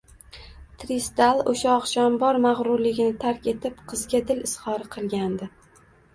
Trisdal o`sha oqshom bor mag`rurligini tark etib, qizga dil izhori qilgandi